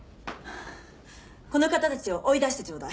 この方たちを追い出してちょうだい。